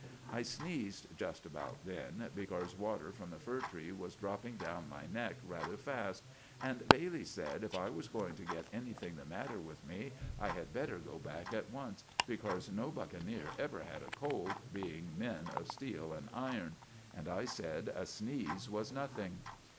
I sneazed just about then, becorse water from the fir tree was dropping down my neck rather fast, and Bailey sed if I was going to get annything the matter with me I had better go back at once, becorse no buckeneer ever had a cold, being men of steel and iron. And I sed a sneaze was nothing.